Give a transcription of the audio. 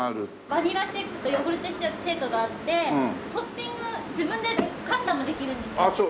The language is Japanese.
バニラシェイクとヨーグルトシェイクがあってトッピング自分でカスタムできるんですよ。